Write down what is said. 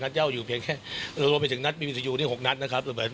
ด้วยนัตสุยู๖นัตสุดนะครับ